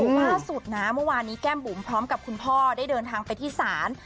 ล่าสุดนะเมื่อวานนี้แก้มบุ๋มพร้อมกับคุณพ่อได้เดินทางไปที่ศาล